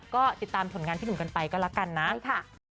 ก็ติดตามผลงานพี่หนุ่มกันไปก็แล้วกันนะใช่ค่ะ